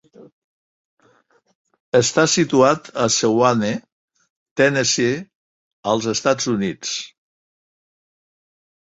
Està situat a Sewanee, Tennessee, als Estats Units.